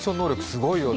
すごいですよね。